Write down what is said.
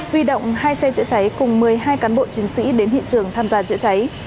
huy động hai xe chữa cháy cùng một mươi hai cán bộ chiến sĩ đến hiện trường tham gia chữa cháy